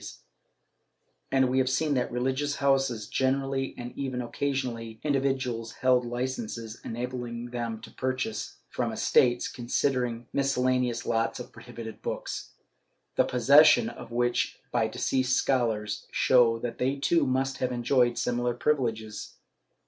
IV] PENALTIES 625 occasionally individuals held licences enabling them to purchase from estates considerable miscellaneous lots of prohibited books, the possession of which, by deceased scholars, shows that they too must have enjoyed similar privileges.